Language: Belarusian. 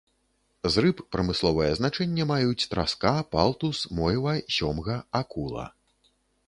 З рыб прамысловае значэнне маюць траска, палтус, мойва, сёмга, акула.